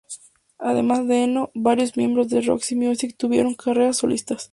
Además de Eno, varios miembros de Roxy Music tuvieron carreras solistas.